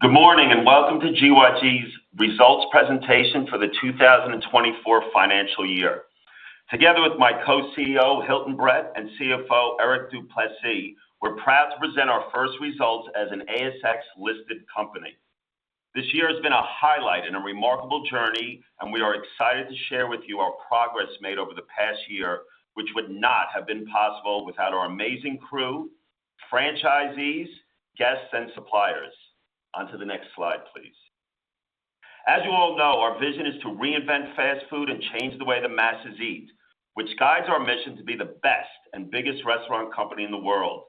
Good morning, and welcome to GYG's results presentation for the two thousand and twenty-four financial year. Together with my Co-CEO, Hilton Brett, and CFO, Erik du Plessis, we're proud to present our first results as an ASX-listed company. This year has been a highlight and a remarkable journey, and we are excited to share with you our progress made over the past year, which would not have been possible without our amazing crew, franchisees, guests, and suppliers. Onto the next slide, please. As you all know, our vision is to reinvent fast food and change the way the masses eat, which guides our mission to be the best and biggest restaurant company in the world.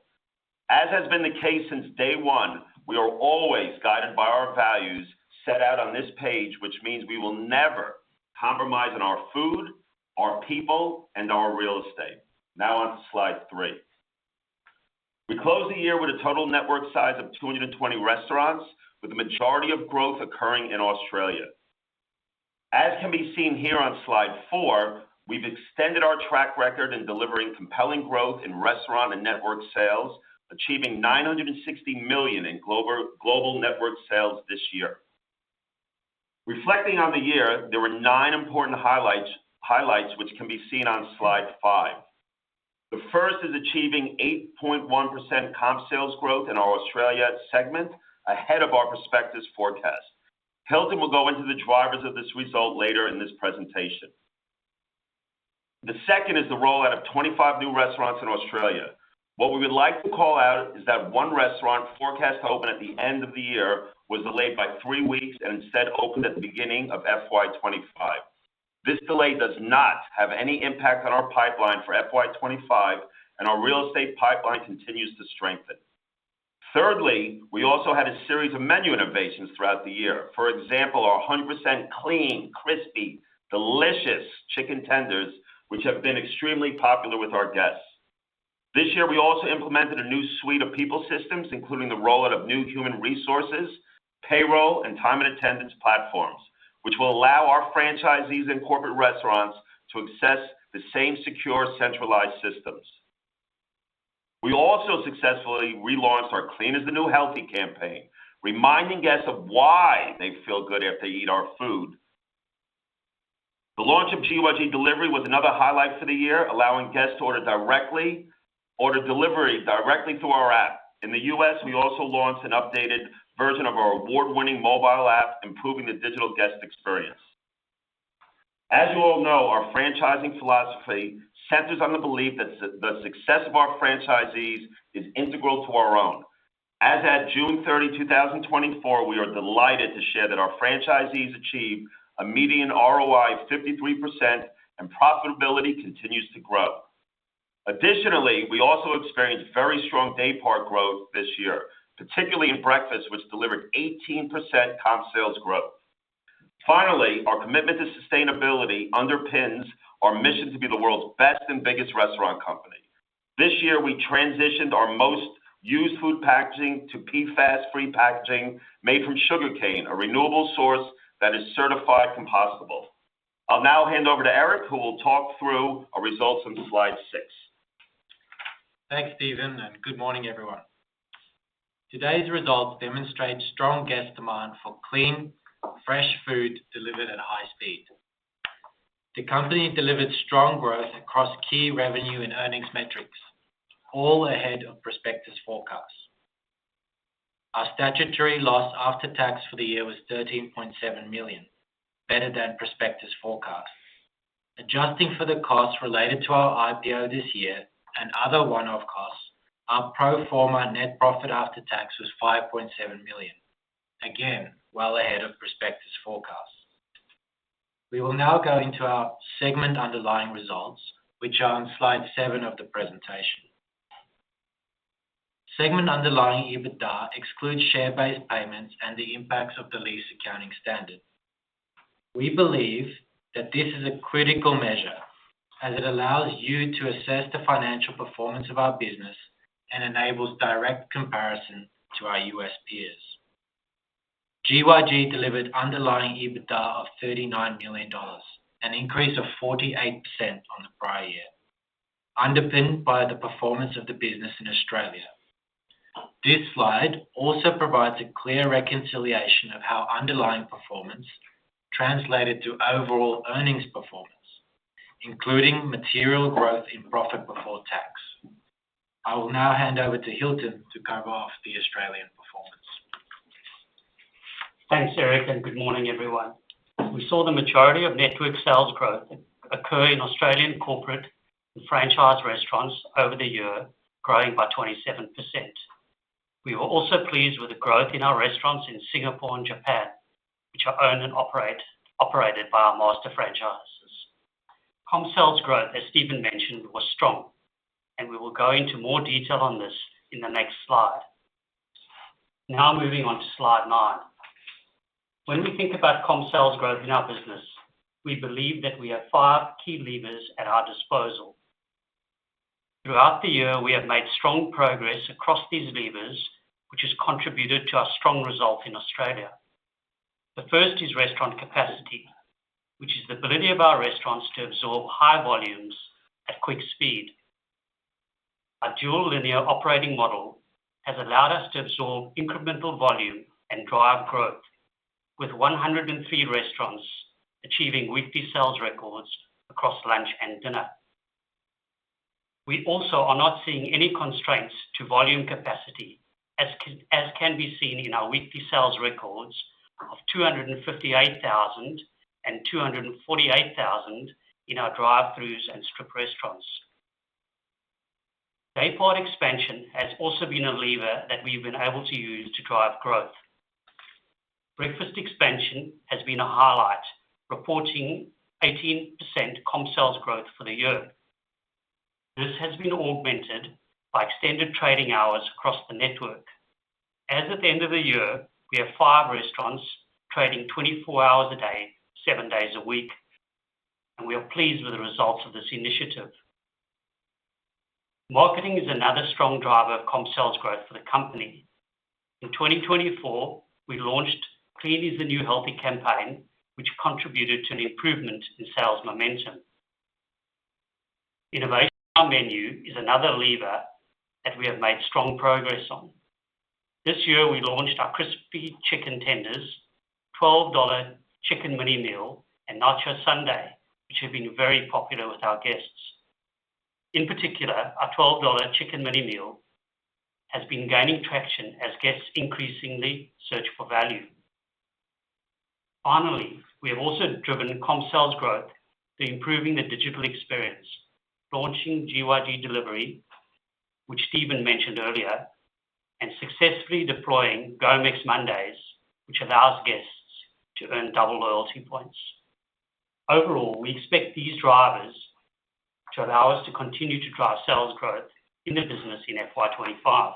As has been the case since day one, we are always guided by our values set out on this page, which means we will never compromise on our food, our people, and our real estate. Now, on to slide three. We close the year with a total network size of 220 restaurants, with the majority of growth occurring in Australia. As can be seen here on slide four, we've extended our track record in delivering compelling growth in restaurant and network sales, achieving 960 million in global network sales this year. Reflecting on the year, there were 9 important highlights, which can be seen on slide five. The first is achieving 8.1% comp sales growth in our Australia segment, ahead of our prospectus forecast. Hilton will go into the drivers of this result later in this presentation. The second is the rollout of 25 new restaurants in Australia. What we would like to call out is that one restaurant, forecast to open at the end of the year, was delayed by three weeks and instead opened at the beginning of FY 2025. This delay does not have any impact on our pipeline for FY 2025, and our real estate pipeline continues to strengthen. Thirdly, we also had a series of menu innovations throughout the year. For example, our 100% clean, crispy, delicious chicken tenders, which have been extremely popular with our guests. This year, we also implemented a new suite of people systems, including the rollout of new human resources, payroll, and time and attendance platforms, which will allow our franchisees and corporate restaurants to access the same secure, centralized systems. We also successfully relaunched our Clean is the New Healthy campaign, reminding guests of why they feel good after they eat our food. The launch of GYG Delivery was another highlight for the year, allowing guests to order delivery directly through our app. In the U.S., we also launched an updated version of our award-winning mobile app, improving the digital guest experience. As you all know, our franchising philosophy centers on the belief that the success of our franchisees is integral to our own. As at June thirty, two thousand and twenty-four, we are delighted to share that our franchisees achieved a median ROI of 53%, and profitability continues to grow. Additionally, we also experienced very strong day-part growth this year, particularly in breakfast, which delivered 18% comp sales growth. Finally, our commitment to sustainability underpins our mission to be the world's best and biggest restaurant company. This year, we transitioned our most used food packaging to PFAS-free packaging made from sugarcane, a renewable source that is certified compostable. I'll now hand over to Erik, who will talk through our results on slide six. Thanks, Steven, and good morning, everyone. Today's results demonstrate strong guest demand for clean, fresh food delivered at high speed. The company delivered strong growth across key revenue and earnings metrics, all ahead of prospectus forecasts. Our statutory loss after tax for the year was 13.7 million, better than prospectus forecast. Adjusting for the costs related to our IPO this year and other one-off costs, our pro forma net profit after tax was 5.7 million. Again, well ahead of prospectus forecast. We will now go into our segment underlying results, which are on slide seven of the presentation. Segment underlying EBITDA excludes share-based payments and the impacts of the lease accounting standard. We believe that this is a critical measure as it allows you to assess the financial performance of our business and enables direct comparison to our U.S. peers. GYG delivered underlying EBITDA of 39 million dollars, an increase of 48% on the prior year, underpinned by the performance of the business in Australia. This slide also provides a clear reconciliation of how underlying performance translated to overall earnings performance, including material growth in profit before tax. I will now hand over to Hilton to cover off the Australian performance. Thanks, Erik, and good morning, everyone. We saw the majority of network sales growth occur in Australian corporate and franchise restaurants over the year, growing by 27%. We were also pleased with the growth in our restaurants in Singapore and Japan, which are owned and operated by our master franchises. Comp sales growth, as Steven mentioned, was strong, and we will go into more detail on this in the next slide. Now, moving on to slide nine. When we think about comp sales growth in our business, we believe that we have five key levers at our disposal. Throughout the year, we have made strong progress across these levers, which has contributed to our strong result in Australia. The first is restaurant capacity, which is the ability of our restaurants to absorb high volumes at quick speed. Our Dual Linear Operating Model has allowed us to absorb incremental volume and drive growth, with 103 restaurants achieving weekly sales records across lunch and dinner. We also are not seeing any constraints to volume capacity, as can be seen in our weekly sales records of 258,000 and 248,000 in our drive-thrus and strip restaurants. Day-part expansion has also been a lever that we've been able to use to drive growth. Breakfast expansion has been a highlight, reporting 18% Comp Sales Growth for the year. This has been augmented by extended trading hours across the network. As at the end of the year, we have 5 restaurants trading 24 hours a day, 7 days a week, and we are pleased with the results of this initiative. Marketing is another strong driver of comp sales growth for the company. In twenty twenty-four, we launched Clean is the New Healthy campaign, which contributed to the improvement in sales momentum. Innovation in our menu is another lever that we have made strong progress on. This year, we launched our crispy chicken tenders, 12 dollar chicken mini meal, and Nacho Sundae, which have been very popular with our guests. In particular, our 12 dollar chicken mini meal has been gaining traction as guests increasingly search for value. Finally, we have also driven comp sales growth through improving the digital experience, launching GYG Delivery, which Steven mentioned earlier, and successfully deploying GOMEX Mondays, which allows guests to earn double loyalty points. Overall, we expect these drivers to allow us to continue to drive sales growth in the business in FY twenty-five.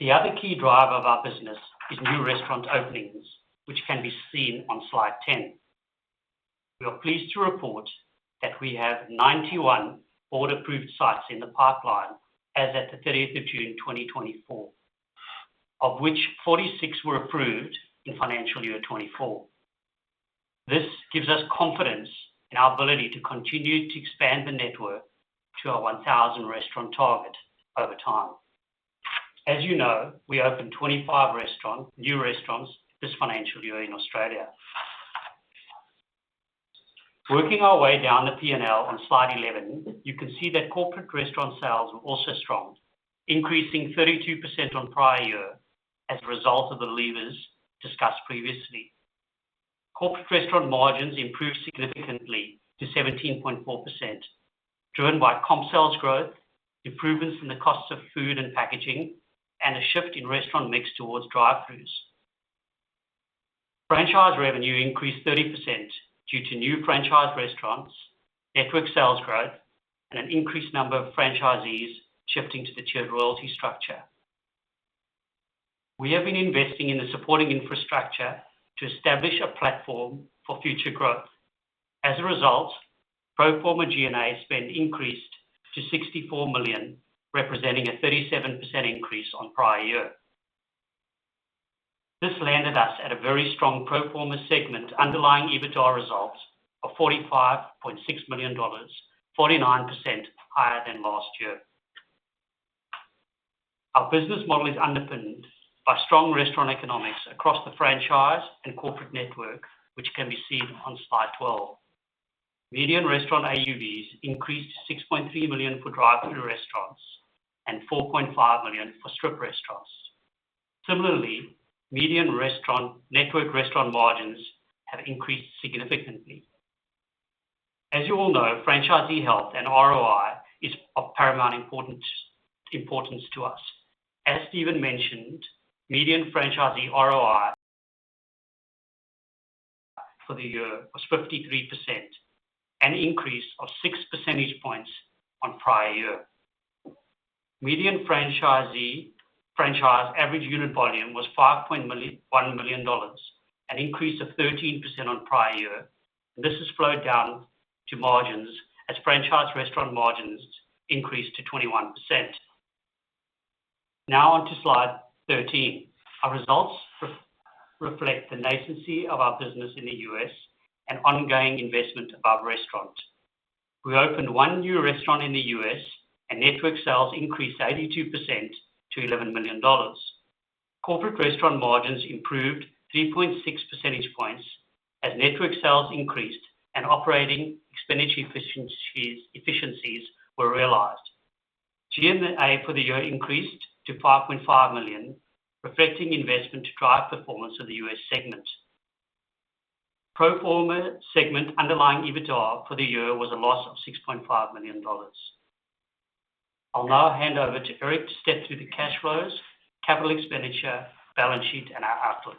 The other key driver of our business is new restaurant openings, which can be seen on slide 10. We are pleased to report that we have 91 board-approved sites in the pipeline as at the thirtieth of June, 2024, of which 46 were approved in financial year 2024. This gives us confidence in our ability to continue to expand the network to our 1,000 restaurant target over time. As you know, we opened 25 restaurants, new restaurants, this financial year in Australia. Working our way down the P&L on slide 11, you can see that corporate restaurant sales were also strong, increasing 32% on prior year as a result of the levers discussed previously. Corporate restaurant margins improved significantly to 17.4%, driven by comp sales growth, improvements in the costs of food and packaging, and a shift in restaurant mix towards drive-thrus. Franchise revenue increased 30% due to new franchise restaurants, network sales growth, and an increased number of franchisees shifting to the tiered royalty structure. We have been investing in the supporting infrastructure to establish a platform for future growth. As a result, pro forma G&A spend increased to 64 million, representing a 37% increase on prior year. This landed us at a very strong pro forma segment underlying EBITDA results of 45.6 million dollars, 49% higher than last year. Our business model is underpinned by strong restaurant economics across the franchise and corporate network, which can be seen on slide 12. Median restaurant AUVs increased 6.3 million for drive-thru restaurants and 4.5 million for strip restaurants. Similarly, median restaurant network restaurant margins have increased significantly. As you all know, franchisee health and ROI is of paramount importance to us. As Steven mentioned, median franchisee ROI for the year was 53%, an increase of six percentage points on prior year. Median franchisee franchise average unit volume was 5.1 million, an increase of 13% on prior year. This has flowed down to margins as franchise restaurant margins increased to 21%. Now, on to slide 13. Our results reflect the nascency of our business in the US and ongoing investment of our restaurants. We opened one new restaurant in the US, and network sales increased 82% to $11 million. Corporate restaurant margins improved three point six percentage points, as network sales increased and operating expenditure efficiencies were realized. G&A for the year increased to 5.5 million, reflecting investment to drive performance of the US segment. Pro forma segment underlying EBITDA for the year was a loss of 6.5 million dollars. I'll now hand over to Erik to step through the cash flows, capital expenditure, balance sheet, and our outlook.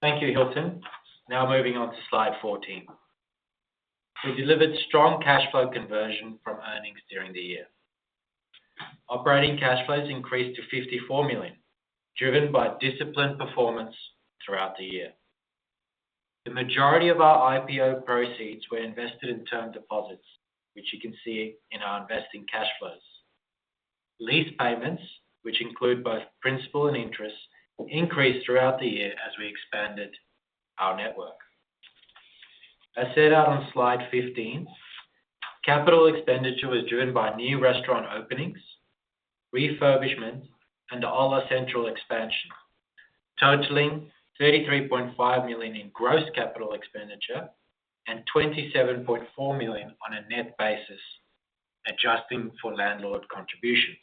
Thank you, Hilton. Now moving on to slide 14. We delivered strong cash flow conversion from earnings during the year. Operating cash flows increased to 54 million, driven by disciplined performance throughout the year. The majority of our IPO proceeds were invested in term deposits, which you can see in our investing cash flows. Lease payments, which include both principal and interest, increased throughout the year as we expanded our network. As set out on slide 15, capital expenditure was driven by new restaurant openings, refurbishment, and the Hola Central expansion, totaling 33.5 million in gross capital expenditure and 27.4 million on a net basis, adjusting for landlord contributions.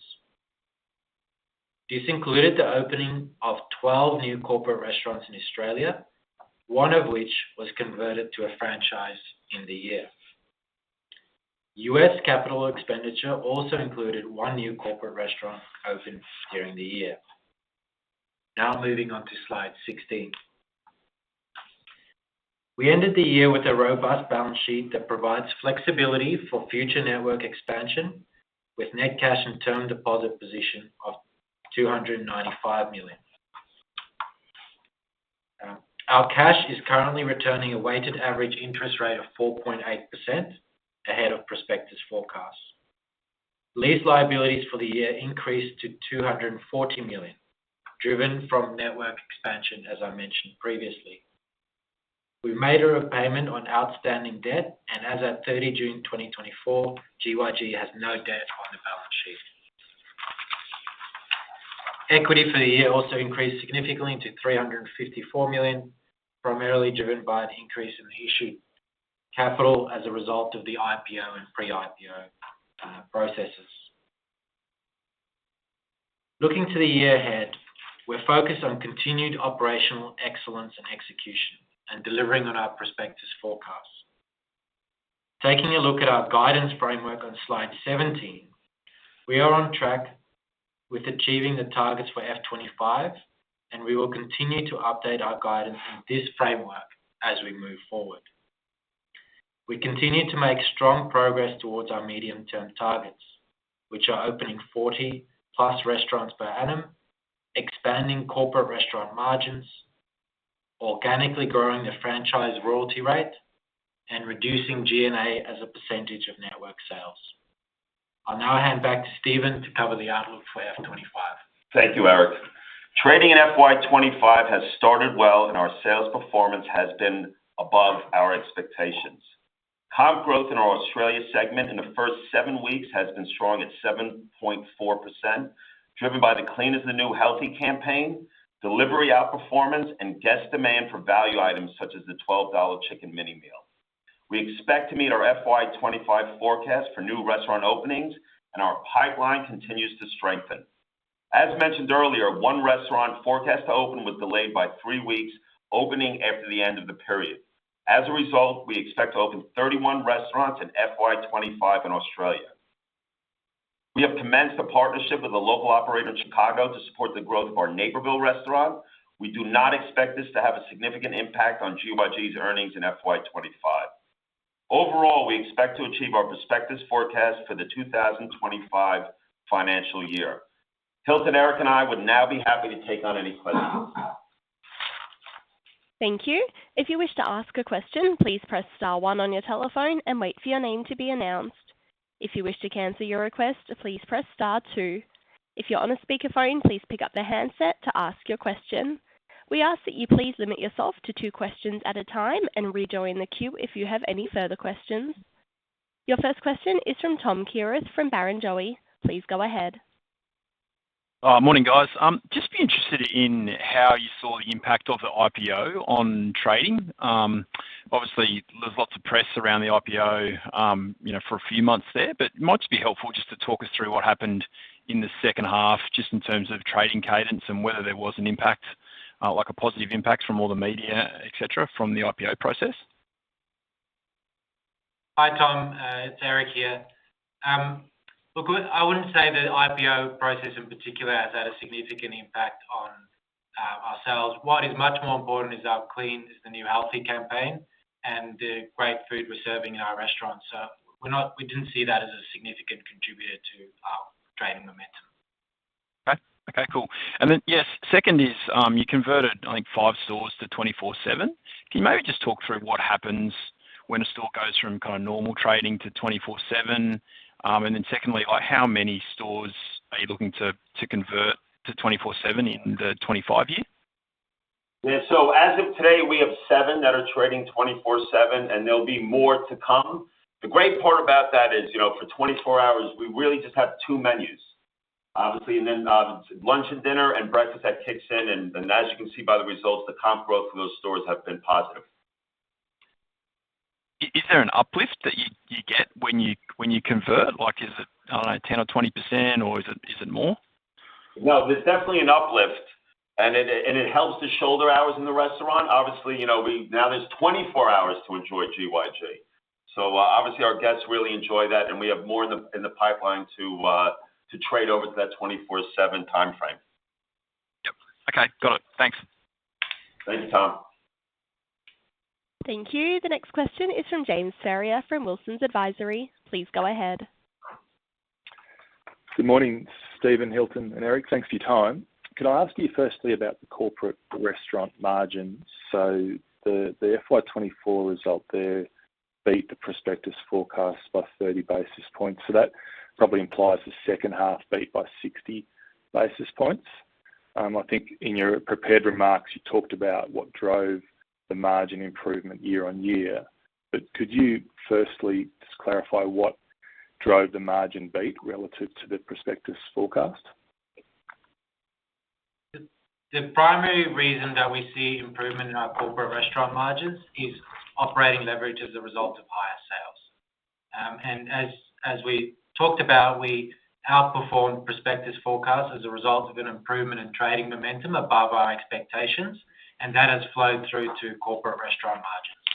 This included the opening of 12 new corporate restaurants in Australia, one of which was converted to a franchise in the year. US capital expenditure also included one new corporate restaurant opened during the year. Now moving on to slide 16. We ended the year with a robust balance sheet that provides flexibility for future network expansion, with net cash and term deposit position of 295 million. Our cash is currently returning a weighted average interest rate of 4.8%, ahead of prospectus forecasts. Lease liabilities for the year increased to 240 million, driven from network expansion, as I mentioned previously. We've made a repayment on outstanding debt, and as at 30 June 2024, GYG has no debt on the balance sheet. Equity for the year also increased significantly to 354 million, primarily driven by an increase in the issued capital as a result of the IPO and pre-IPO processes. Looking to the year ahead, we're focused on continued operational excellence and execution and delivering on our prospectus forecasts. Taking a look at our guidance framework on slide 17, we are on track with achieving the targets for F 25, and we will continue to update our guidance in this framework as we move forward. We continue to make strong progress towards our medium-term targets, which are opening 40-plus restaurants per annum, expanding corporate restaurant margins, organically growing the franchise royalty rate, and reducing G&A as a percentage of network sales. I'll now hand back to Steven to cover the outlook for F 25. Thank you, Erik. Trading in FY 2025 has started well, and our sales performance has been above our expectations. Comp growth in our Australia segment in the first seven weeks has been strong at 7.4%, driven by the Clean is the New Healthy campaign, delivery outperformance, and guest demand for value items such as the 12 dollar Chicken Mini Meal. We expect to meet our FY 2025 forecast for new restaurant openings, and our pipeline continues to strengthen. As mentioned earlier, one restaurant forecast to open was delayed by three weeks, opening after the end of the period. As a result, we expect to open 31 restaurants in FY 2025 in Australia. We have commenced a partnership with a local operator in Chicago to support the growth of our Naperville restaurant. We do not expect this to have a significant impact on GYG's earnings in FY 2025. Overall, we expect to achieve our prospectus forecast for the two thousand and twenty-five financial year. Hilton, Erik, and I would now be happy to take on any questions. Thank you. If you wish to ask a question, please press star one on your telephone and wait for your name to be announced. If you wish to cancel your request, please press star two. If you're on a speakerphone, please pick up the handset to ask your question. We ask that you please limit yourself to two questions at a time and rejoin the queue if you have any further questions. Your first question is from Tom Kierath, from Barrenjoey. Please go ahead. Morning, guys. Just be interested in how you saw the impact of the IPO on trading. Obviously, there's lots of press around the IPO, you know, for a few months there, but it might just be helpful just to talk us through what happened in the second half, just in terms of trading cadence and whether there was an impact, like a positive impact from all the media, et cetera, from the IPO process. Hi, Tom. It's Erik here. Look, I wouldn't say the IPO process in particular has had a significant impact on our sales. What is much more important is our Clean is the New Healthy campaign and the great food we're serving in our restaurants. So we didn't see that as a significant contributor to trading momentum. Okay. Okay, cool. And then, yes, second is, you converted, I think, five stores to twenty-four/seven. Can you maybe just talk through what happens when a store goes from kind of normal trading to twenty-four/seven? And then secondly, like, how many stores are you looking to convert to twenty-four/seven in the twenty-five year? Yeah. So as of today, we have seven that are trading twenty-four/seven, and there'll be more to come. The great part about that is, you know, for twenty-four hours, we really just have two menus. Obviously, and then lunch and dinner and breakfast that kicks in, and as you can see by the results, the comp growth for those stores have been positive. Is there an uplift that you get when you convert? Like, is it, I don't know, 10% or 20%, or is it more? No, there's definitely an uplift, and it helps the shoulder hours in the restaurant. Obviously, you know, now there's twenty-four hours to enjoy GYG. So, obviously, our guests really enjoy that, and we have more in the pipeline to trade over to that twenty-four/seven timeframe. Yep. Okay, got it. Thanks. Thank you, Tom. Thank you. The next question is from James Ferrier, from Wilsons Advisory. Please go ahead. Good morning, Steven, Hilton, and Erik. Thanks for your time. Can I ask you firstly about the corporate restaurant margins? So the FY twenty-four result there beat the prospectus forecast by thirty basis points. So that probably implies the second half beat by sixty basis points. I think in your prepared remarks, you talked about what drove the margin improvement year-on-year. But could you firstly just clarify what drove the margin beat relative to the prospectus forecast? The primary reason that we see improvement in our corporate restaurant margins is operating leverage as a result of higher sales. And as we talked about, we outperformed prospectus forecast as a result of an improvement in trading momentum above our expectations, and that has flowed through to corporate restaurant margins.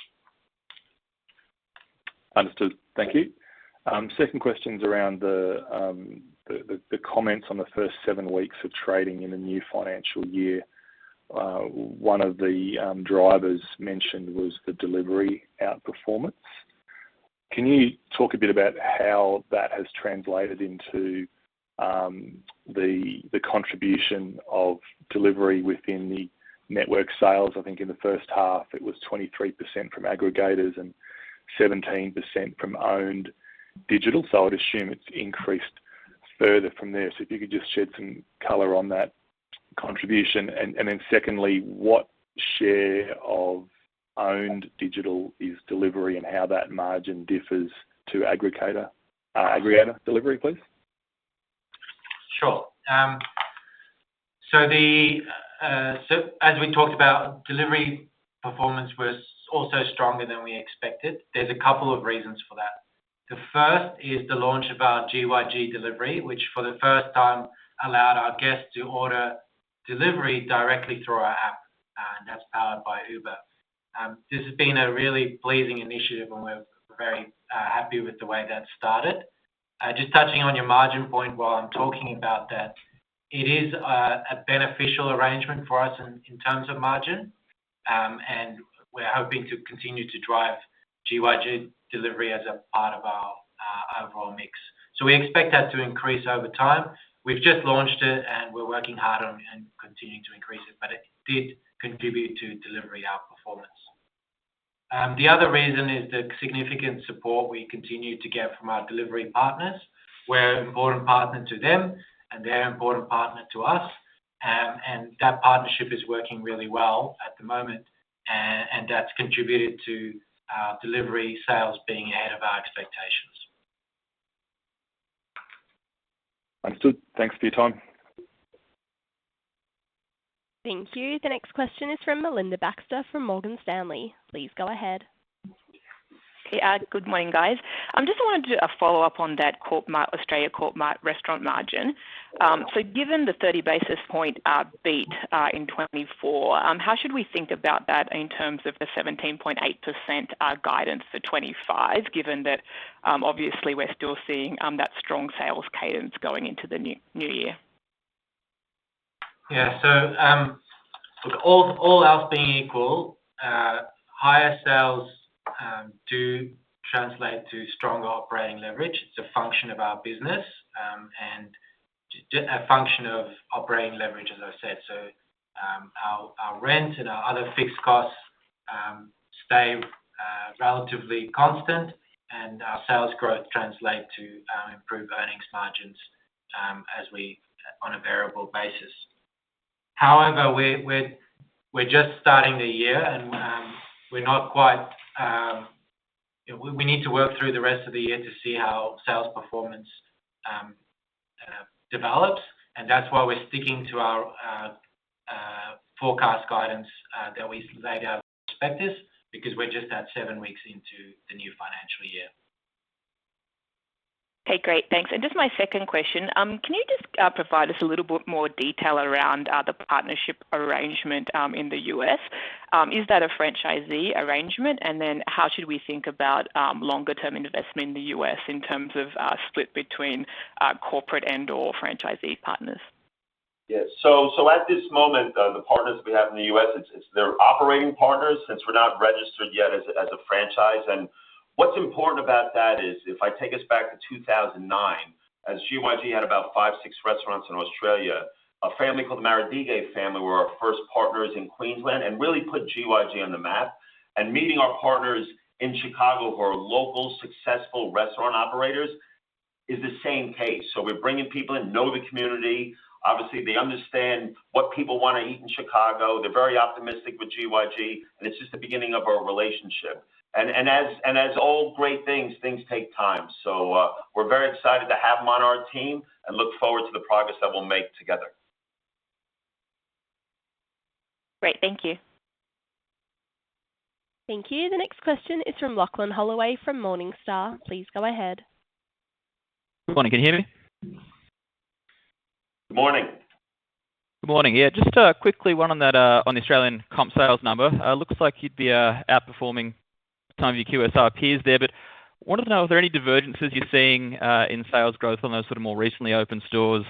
Understood. Thank you. Second question's around the comments on the first seven weeks of trading in the new financial year. One of the drivers mentioned was the delivery outperformance. Can you talk a bit about how that has translated into the contribution of delivery within the network sales? I think in the first half, it was 23% from aggregators and 17% from owned digital, so I'd assume it's increased further from there. So if you could just shed some color on that contribution. And then secondly, what share of owned digital is delivery and how that margin differs to aggregator delivery, please? Sure. So as we talked about, delivery performance was also stronger than we expected. There's a couple of reasons for that. The first is the launch of our GYG Delivery, which for the first time allowed our guests to order delivery directly through our app, and that's powered by Uber. This has been a really pleasing initiative, and we're very happy with the way that started. Just touching on your margin point while I'm talking about that, it is a beneficial arrangement for us in terms of margin. And we're hoping to continue to drive GYG Delivery as a part of our overall mix. So we expect that to increase over time. We've just launched it, and we're working hard on it and continuing to increase it, but it did contribute to delivery outperformance. The other reason is the significant support we continue to get from our delivery partners. We're an important partner to them, and they're an important partner to us, and that partnership is working really well at the moment, and that's contributed to delivery sales being ahead of our expectations. Understood. Thanks for your time. Thank you. The next question is from Melinda Baxter from Morgan Stanley. Please go ahead. Hey, good morning, guys. I just wanted to do a follow-up on that Kmart, Australia Kmart restaurant margin. So given the thirty basis point beat in 2024, how should we think about that in terms of the 17.8% guidance for 2025, given that obviously we're still seeing that strong sales cadence going into the new year? Yeah. So, look, all else being equal, higher sales do translate to stronger operating leverage. It's a function of our business, and a function of operating leverage, as I said. So, our rent and our other fixed costs stay relatively constant, and our sales growth translate to improved earnings margins as we on a variable basis. However, we're just starting the year, and we're not quite. We need to work through the rest of the year to see how sales performance develops, and that's why we're sticking to our forecast guidance that we laid out in our prospectus, because we're just at seven weeks into the new financial year. Okay, great. Thanks. And just my second question, can you just provide us a little bit more detail around the partnership arrangement in the U.S.? Is that a franchisee arrangement? And then how should we think about longer-term investment in the U.S. in terms of split between corporate and/or franchisee partners? Yeah. So at this moment, the partners we have in the US, they're operating partners since we're not registered yet as a franchise. And what's important about that is, if I take us back to two thousand and nine, as GYG had about five, six restaurants in Australia, a family called the Marradis family were our first partners in Queensland and really put GYG on the map. And meeting our partners in Chicago, who are local, successful restaurant operators, is the same case. So we're bringing people in, know the community. Obviously, they understand what people want to eat in Chicago. They're very optimistic with GYG, and it's just the beginning of our relationship. And as all great things take time. We're very excited to have them on our team and look forward to the progress that we'll make together. Great. Thank you. Thank you. The next question is from Lochlan Halloway from Morningstar. Please go ahead. Good morning. Can you hear me? Good morning. Good morning. Yeah, just, quickly, one on that, on the Australian comp sales number. It looks like you'd be, outperforming some of your QSR peers there, but wanted to know, are there any divergences you're seeing, in sales growth on those sort of more recently opened stores,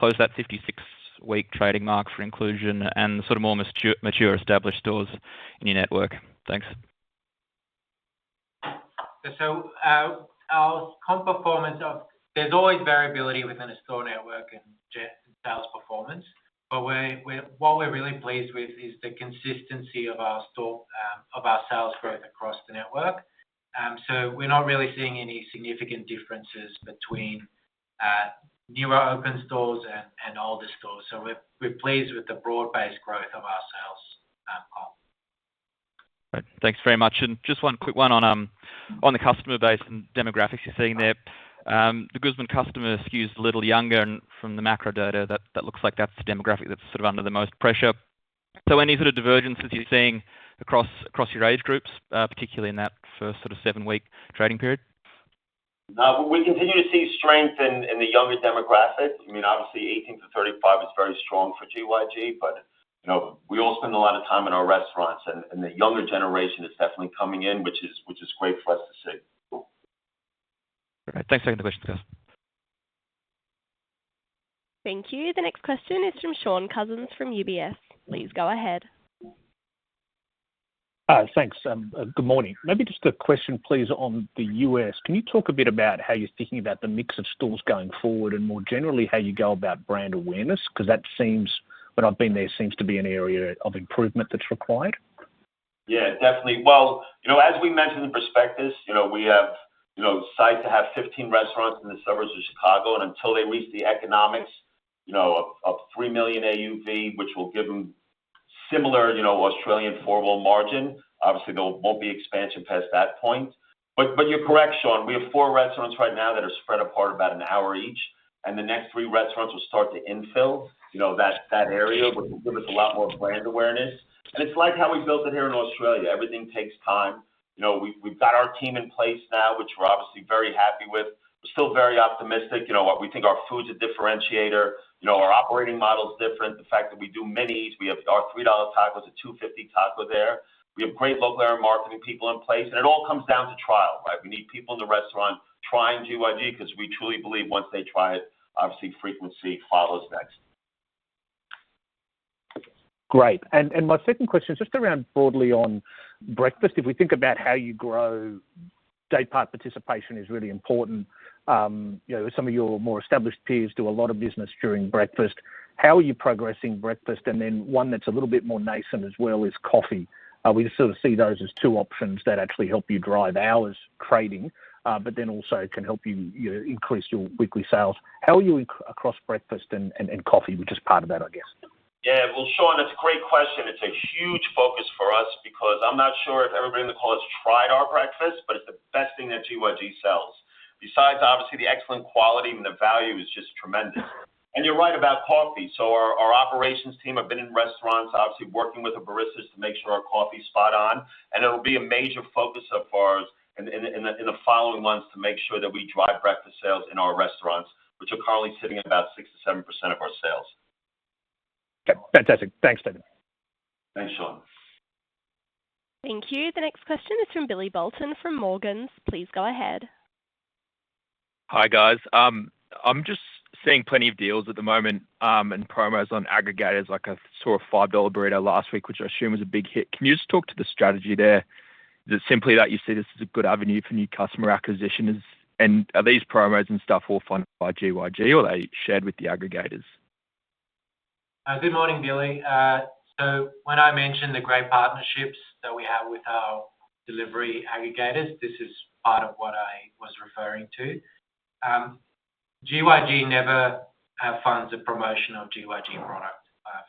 post that fifty-six-week trading mark for inclusion and sort of more mature, established stores in your network? Thanks. There's always variability within a store network, but what we're really pleased with is the consistency of our store of our sales growth across the network. So we're not really seeing any significant differences between newer open stores and older stores. So we're pleased with the broad-based growth of our sales overall. Right. Thanks very much. And just one quick one on the customer base and demographics you're seeing there. The Guzman customer skews a little younger, and from the macro data, that looks like that's the demographic that's sort of under the most pressure. So any sort of divergences you're seeing across your age groups, particularly in that first sort of seven-week trading period? We continue to see strength in the younger demographic. I mean, obviously, 18-35 is very strong for GYG, but, you know, we all spend a lot of time in our restaurants, and the younger generation is definitely coming in, which is great for us to see. All right. Thanks again for the question. Thank you. The next question is from Shaun Cousins from UBS. Please go ahead. Thanks, good morning. Maybe just a question, please, on the U.S. Can you talk a bit about how you're thinking about the mix of stores going forward, and more generally, how you go about brand awareness? 'Cause that seems, when I've been there, seems to be an area of improvement that's required. Yeah, definitely. Well, you know, as we mentioned in the prospectus, you know, we have, you know, decided to have 15 restaurants in the suburbs of Chicago, and until they reach the economics, you know, of three million AUV, which will give them similar, you know, Australian formal margin, obviously, there won't be expansion past that point. But you're correct, Shaun. We have 4 restaurants right now that are spread apart about an hour each, and the next 3 restaurants will start to infill, you know, that area, which will give us a lot more brand awareness. And it's like how we built it here in Australia. Everything takes time. You know, we've got our team in place now, which we're obviously very happy with. We're still very optimistic, you know, we think our food's a differentiator, you know, our operating model is different. The fact that we do minis, we have our $3 tacos, a $2.50 taco there. We have great local area marketing people in place, and it all comes down to trial, right? We need people in the restaurant trying GYG because we truly believe once they try it, obviously frequency follows next. Great. And my second question is just around broadly on breakfast. If we think about how you grow, day-part participation is really important. You know, some of your more established peers do a lot of business during breakfast. How are you progressing breakfast? And then one that's a little bit more nascent as well is coffee. We just sort of see those as two options that actually help you drive hours trading, but then also can help you increase your weekly sales. How are you across breakfast and coffee, which is part of that, I guess? Yeah. Shaun, that's a great question. It's a huge focus for us because I'm not sure if everybody in the call has tried our breakfast, but it's the best thing that GYG sells. Besides, obviously, the excellent quality and the value is just tremendous. And you're right about coffee. Our operations team have been in restaurants, obviously, working with the baristas to make sure our coffee is spot on, and it will be a major focus of ours in the following months to make sure that we drive breakfast sales in our restaurants, which are currently sitting at about 6%-7% of our sales. Okay, fantastic. Thanks, Steven. Thanks, Shaun. Thank you. The next question is from Billy Boulton, from Morgans. Please go ahead. Hi, guys. I'm just seeing plenty of deals at the moment, and promos on aggregators. Like, I saw a 5 dollar burrito last week, which I assume was a big hit. Can you just talk to the strategy there? Is it simply that you see this as a good avenue for new customer acquisition? And are these promos and stuff all funded by GYG, or are they shared with the aggregators? Good morning, Billy, so when I mentioned the great partnerships that we have with our delivery aggregators, this is part of what I was referring to. GYG never funds a promotion of GYG product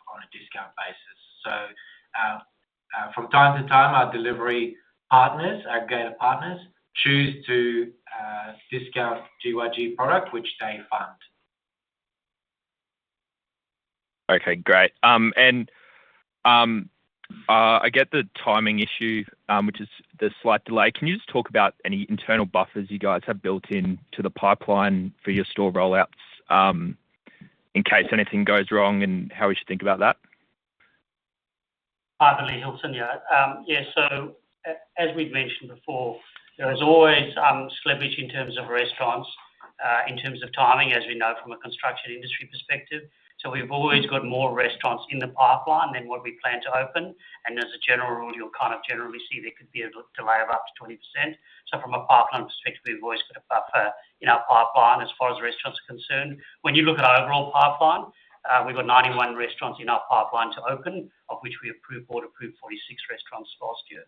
on a discount basis. So, from time to time, our delivery partners, aggregator partners, choose to discount GYG product, which they fund. Okay, great. I get the timing issue, which is the slight delay. Can you just talk about any internal buffers you guys have built into the pipeline for your store rollouts, in case anything goes wrong, and how we should think about that? Hi, Billy Boulton. Yeah, yeah, so as we've mentioned before, there is always slippage in terms of restaurants in terms of timing, as we know from a construction industry perspective. So we've always got more restaurants in the pipeline than what we plan to open. And as a general rule, you'll kind of generally see there could be a delay of up to 20%. So from a pipeline perspective, we've always got a buffer in our pipeline as far as restaurants are concerned. When you look at our overall pipeline, we've got 91 restaurants in our pipeline to open, of which board approved 46 restaurants last year.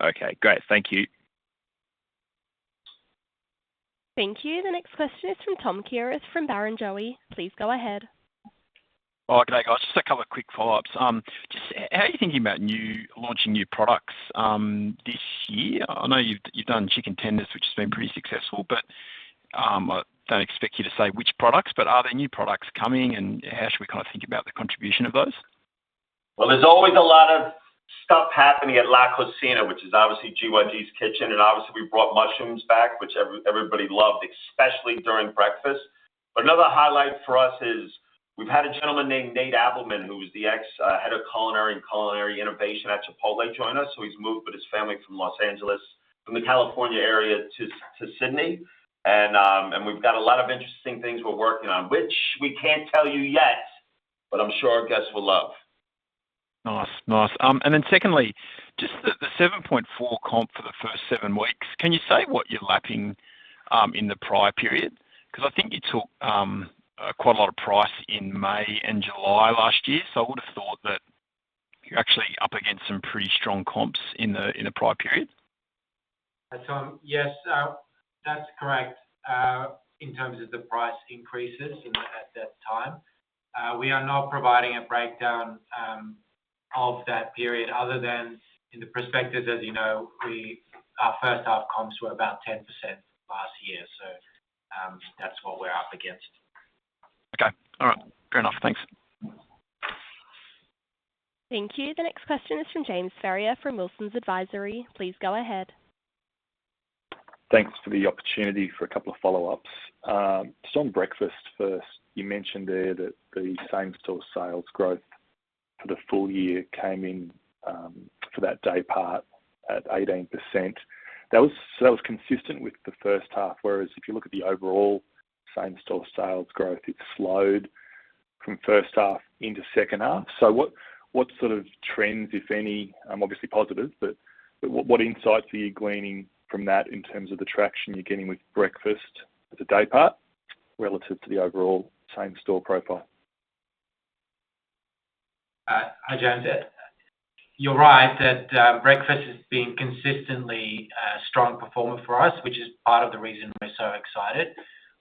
Okay, great. Thank you. Thank you. The next question is from Tom Kierath, from Barrenjoey. Please go ahead. Okay, guys. Just a couple of quick follow-ups. Just how are you thinking about launching new products this year? I know you've done chicken tenders, which has been pretty successful, but I don't expect you to say which products, but are there new products coming, and how should we kind of think about the contribution of those? There's always a lot of stuff happening at La Cocina, which is obviously GYG's kitchen, and obviously, we brought mushrooms back, which everybody loved, especially during breakfast. But another highlight for us is we've had a gentleman named Nate Appleman, who was the ex head of culinary and culinary innovation at Chipotle, join us. So he's moved with his family from Los Angeles, from the California area to Sydney. And we've got a lot of interesting things we're working on, which we can't tell you yet, but I'm sure our guests will love. ... Nice, nice. And then secondly, just the 7.4 comp for the first seven weeks, can you say what you're lapping in the prior period? Because I think you took quite a lot of price in May and July last year, so I would have thought that you're actually up against some pretty strong comps in the prior period. Tom, yes, that's correct. In terms of the price increases at that time. We are not providing a breakdown of that period other than from the perspective, as you know, we, our first half comps were about 10% last year. That's what we're up against. Okay. All right. Fair enough. Thanks. Thank you. The next question is from James Ferrier from Wilsons Advisory. Please go ahead. Thanks for the opportunity for a couple of follow-ups. Just on breakfast first, you mentioned there that the same-store sales growth for the full year came in, for that day part at 18%. So that was consistent with the first half, whereas if you look at the overall same-store sales growth, it's slowed from first half into second half. So what sort of trends, if any, obviously positive, but what insights are you gleaning from that in terms of the traction you're getting with breakfast as a day part relative to the overall same-store profile? Hi, James. You're right that breakfast has been consistently a strong performer for us, which is part of the reason we're so excited.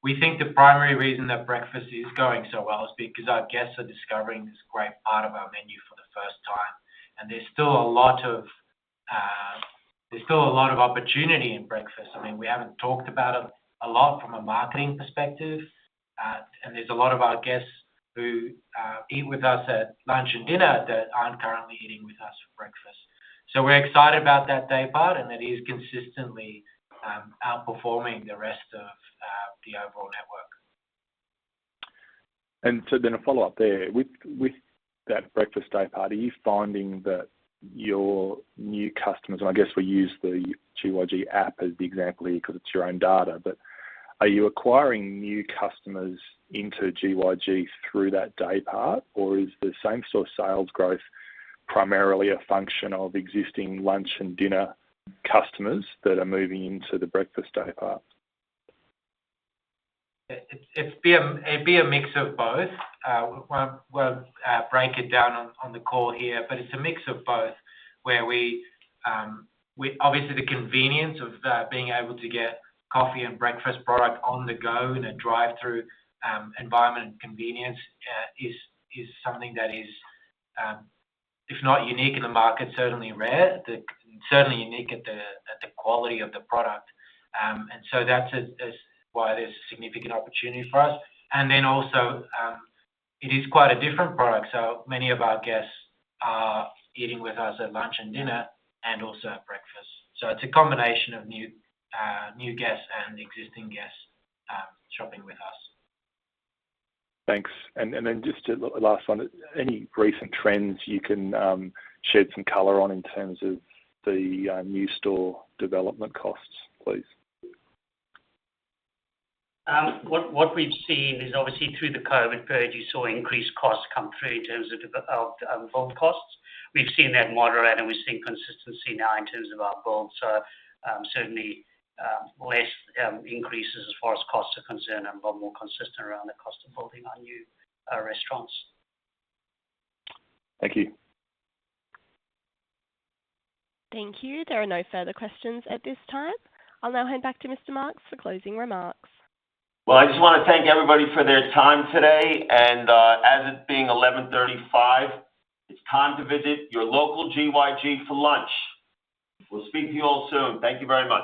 We think the primary reason that breakfast is going so well is because our guests are discovering this great part of our menu for the first time. And there's still a lot of opportunity in breakfast. I mean, we haven't talked about it a lot from a marketing perspective, and there's a lot of our guests who eat with us at lunch and dinner that aren't currently eating with us for breakfast. So we're excited about that day part, and that is consistently outperforming the rest of the overall network. A follow-up there. With that breakfast day part, are you finding that your new customers, and I guess we use the GYG app as the example here because it's your own data, but are you acquiring new customers into GYG through that day part, or is the same-store sales growth primarily a function of existing lunch and dinner customers that are moving into the breakfast day part? It'd be a mix of both. We'll break it down on the call here, but it's a mix of both, where obviously the convenience of being able to get coffee and breakfast product on the go in a drive-through environment and convenience is something that is if not unique in the market, certainly rare. That's certainly unique at the quality of the product. So that's why there's a significant opportunity for us. Then also it is quite a different product, so many of our guests are eating with us at lunch and dinner and also at breakfast. It's a combination of new guests and existing guests shopping with us. Thanks, and then just a last one, any recent trends you can shed some color on in terms of the new store development costs, please? What we've seen is obviously through the COVID period, you saw increased costs come through in terms of build costs. We've seen that moderate, and we've seen consistency now in terms of our build. Certainly less increases as far as costs are concerned and a lot more consistent around the cost of building our new restaurants. Thank you. Thank you. There are no further questions at this time. I'll now hand back to Mr. Marks for closing remarks. Well, I just want to thank everybody for their time today, and as it being 11:35 A.M., it's time to visit your local GYG for lunch. We'll speak to you all soon. Thank you very much.